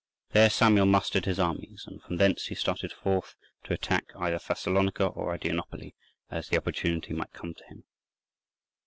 There Samuel mustered his armies, and from thence he started forth to attach either Thessalonica or Adrianople, as the opportunity might come to him.